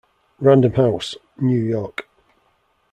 Random House.New York.